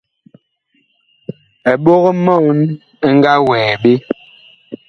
Eɓog-mɔɔn ɛ nga wɛɛ ɓe.